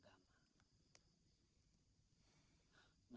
tidak mengenal agama